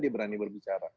dia berani berbicara